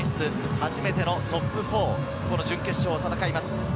初めてのトップ４、準決勝を戦います。